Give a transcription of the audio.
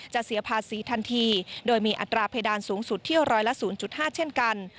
เสียภาษีทันทีโดยมีอัตราเพดานสูงสุดเที่ยวร้อยละ๐๕เช่นกัน